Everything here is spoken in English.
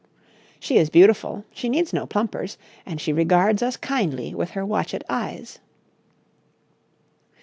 She is beautiful, she needs no plumpers, and she regards us kindly with her watchet eyes.'